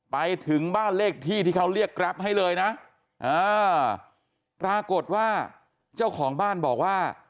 ไปถึงบ้านเลขที่ที่เขาเรียกแกรปให้เลยนะปรากฏว่าเจ้าของบ้านบอกว่า